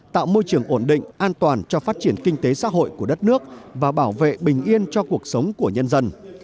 tạo môi trường ổn định an toàn cho phát triển kinh tế xã hội của đất nước và bảo vệ bình yên cho cuộc sống của nhân dân